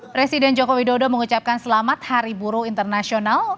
presiden jokowi dodo mengucapkan selamat hari buru internasional